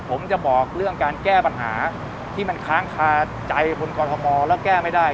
ผมจะบอกเรื่องการแก้ปัญหาที่มันค้างคาใจบนกรทมแล้วแก้ไม่ได้